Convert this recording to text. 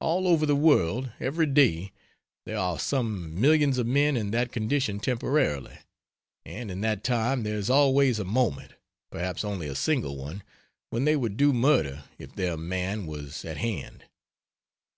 All over the world, every day, there are some millions of men in that condition temporarily. And in that time there is always a moment perhaps only a single one when they would do murder if their man was at hand.